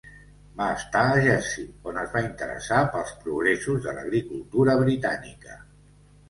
Va estar a Jersey, on es va interessar pels progressos de l'agricultura britànica.